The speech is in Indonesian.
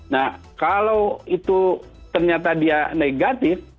nah kalau itu ternyata dia negatif